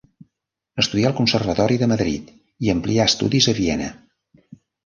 Estudià al Conservatori de Madrid i amplià estudis a Viena.